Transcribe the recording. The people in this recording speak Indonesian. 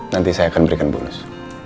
nanti saya akan berikan bonus